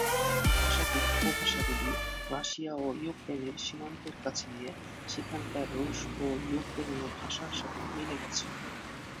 ভাষাটির উপভাষাগুলি রাশিয়া ও ইউক্রেনের সীমান্তের কাছে গিয়ে সেখানকার রুশ ও ইউক্রেনীয় ভাষার সাথে মিলে গেছে।